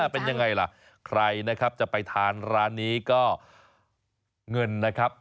เป็นยังไงล่ะใครนะครับจะไปทานร้านนี้ก็เงินนะครับ